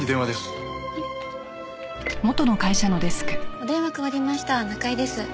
お電話代わりました中井です。